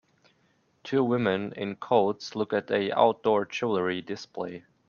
Two women in coats look at a outdoor jewelry display.